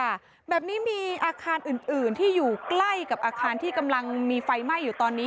ค่ะแบบนี้มีอาคารอื่นอื่นที่อยู่ใกล้กับอาคารที่กำลังมีไฟไหม้อยู่ตอนนี้